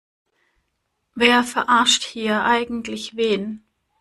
Wer verarscht hier eigentlich wen?